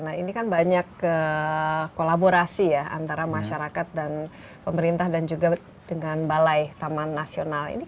nah ini kan banyak kolaborasi ya antara masyarakat dan pemerintah dan juga dengan balai taman nasional ini